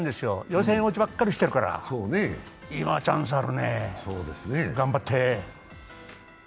予選落ちばっかりしてるから、今はチャンスあるね。頑張って！